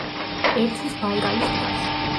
ერთვის ბაიკალის ტბას.